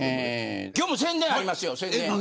今日も宣伝ありますよ。